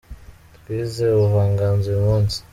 Twize ubuvanganzo uyumunsi.